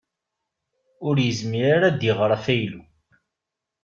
Ur yezmir ara ad iɣer afaylu.